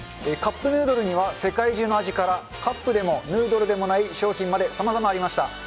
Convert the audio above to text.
カップヌードルには世界中の味からカップでもヌードルでもない商品までさまざまありました。